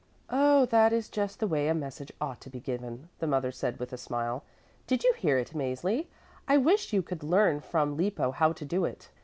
"Oh, that is just the way a message ought to be given," the mother said with a smile. "Did you hear it, Mäzli? I wish you could learn from Lippo how to do it.